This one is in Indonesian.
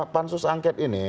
pansus angket ini ya